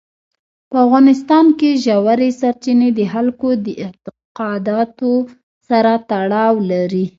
په افغانستان کې ژورې سرچینې د خلکو د اعتقاداتو سره تړاو لري.